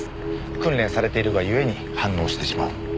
訓練されているがゆえに反応してしまう。